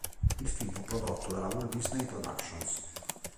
Il film fu prodotto dalla Walt Disney Productions.